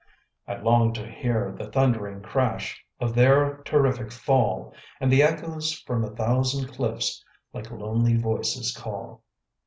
I long to hear the thundering crash Of their terrific fall, And the echoes from a thousand cliffs Like lonely voices call.